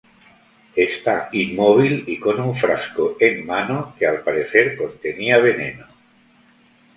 Está inmóvil y con un frasco en mano que al parecer contenía veneno.